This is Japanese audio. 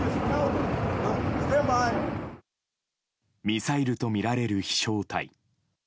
ミサイルとみられる飛翔体。